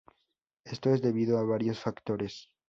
Esto es debido a varios factores.